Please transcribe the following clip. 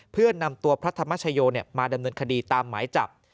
เพื่อนำตัวพระธรรมชโยมาดำเนินคดีตามหมายจับ